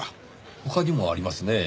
他にもありますねぇ